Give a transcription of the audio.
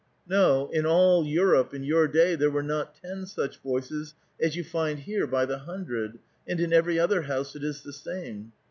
" No, in all Europe in your day there were not ten such voices as you find here by the hundred, and in every other house it is the same.